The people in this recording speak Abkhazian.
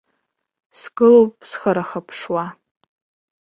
Сгылоуп схарахаԥшуа.